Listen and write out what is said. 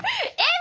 Ｍ！